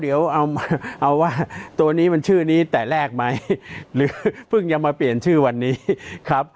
เดี๋ยวเอามาเอาว่าตัวนี้มันชื่อนี้แต่แรกไหมหรือเพิ่งจะมาเปลี่ยนชื่อวันนี้ครับ